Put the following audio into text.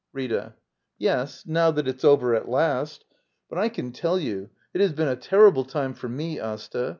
Rita. Yes, now that it's over at last. — But I can tell you it has been a terrible time for me, Asta.